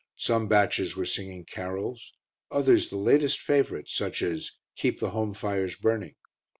Some batches were singing carols, others the latest favourites, such as "Keep the Home Fires Burning."